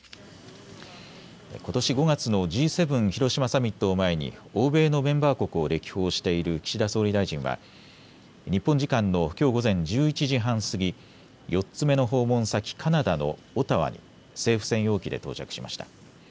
ことし５月のＧ７広島サミットを前に欧米のメンバー国を歴訪している岸田総理大臣は日本時間のきょう午前１１時半過ぎ、４つ目の訪問先、カナダのオタワに政府専用機で到着しました。